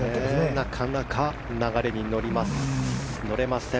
なかなか流れに乗れません。